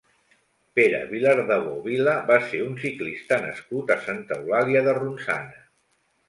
Pere Vilardebó Vila va ser un ciclista nascut a Santa Eulàlia de Ronçana.